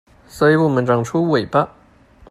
所以我們長出尾巴